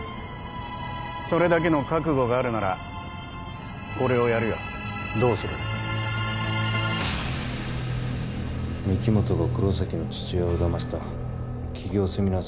それだけの覚悟があるならこれをやるよどうする御木本が黒崎の父親をだました起業セミナー